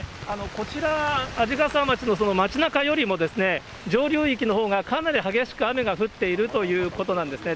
こちら、鯵ヶ沢町の町なかよりも、上流域のほうがかなり激しく雨が降っているということなんですね。